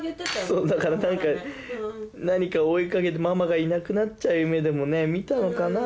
そうだから何かを追いかけてママがいなくなっちゃう夢でも見たのかな？